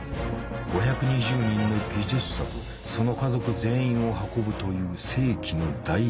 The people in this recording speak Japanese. ５２０人の技術者とその家族全員を運ぶという世紀の大脱出。